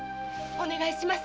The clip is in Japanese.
お願いします。